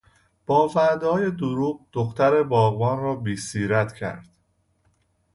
با وعدههای دروغ دختر باغبان را بیسیرت کرد.